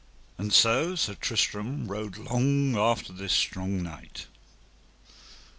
And so Sir Tristram rode long after this strong knight.